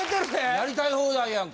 やりたい放題やんか。